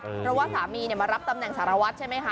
เพราะว่าสามีมารับตำแหน่งสารวัตรใช่ไหมคะ